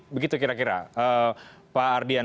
begitu kira kira pak ardian